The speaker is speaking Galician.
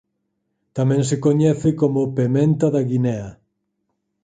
Tamén se coñece como pementa da Guinea.